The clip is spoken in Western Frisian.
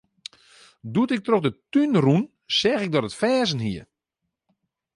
Doe't ik troch de tún rûn, seach ik dat it ferzen hie.